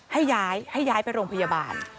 ให้ย้ายให้ย้ายไปโรงพยาบาล